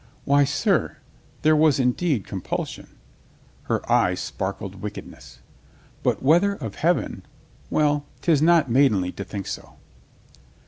"Why, sir, there was indeed compulsion." Her eyes sparkled wickedness. "But whether of Heaven — well, 'tis not maidenly to think so."